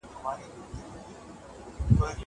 سياست پوهنه د انسانانو چلند مطالعه کوي.